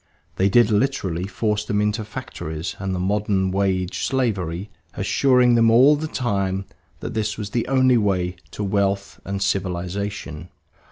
They did literally force them into factories and the modern wage slavery, assuring them all the time that this was the only way to wealth and civilization.